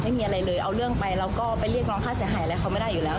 ไม่มีอะไรเลยเอาเรื่องไปเราก็ไปเรียกร้องค่าเสียหายอะไรเขาไม่ได้อยู่แล้ว